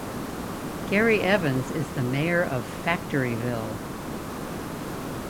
Gary Evans is the mayor of Factoryville.